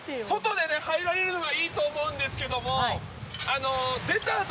外で入られるのがいいと思うんですけど出た